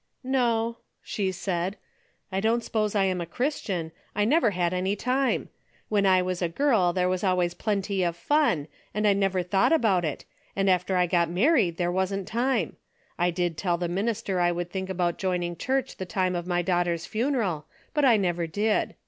" IS'o," she said, " I don't suppose I am a Christian. I never had any time. When I was a girl there was always plenty of fun, and I never thought about it, and after I got mar ried there wasn't time. I did tell the minister I would think about joining church the time of my daughter's funeral, but I never did.